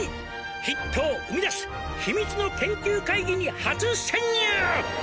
「ヒットを生み出す秘密の研究会議に初潜入！」